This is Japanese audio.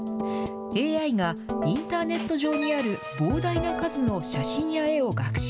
ＡＩがインターネット上にある膨大な数の写真や絵を学習。